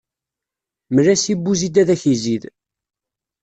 Mel-as i buzid ad ak-izid.